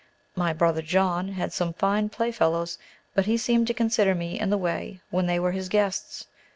My brother John had some fine play fellows, but he seemed to consider me in the way when they were his guests.